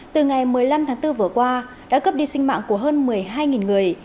từ ngày một mươi năm tháng bốn vừa qua đã cướp đi sinh mạng của hơn một mươi hai người